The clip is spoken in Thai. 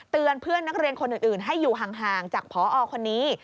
เตือนเพื่อนนักเรียนคนอื่นให้อยู่ห่างจากพอคนนี้